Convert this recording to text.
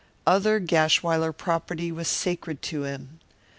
Other Gashwiler property was sacred to him.